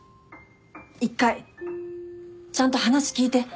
一回ちゃんと話聞いて。